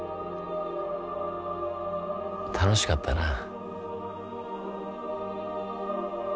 楽しかったなぁ。